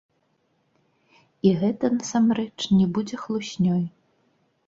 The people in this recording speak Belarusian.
І гэта, насамрэч, не будзе хлуснёй.